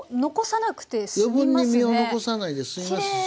余分に身を残さないで済みますし。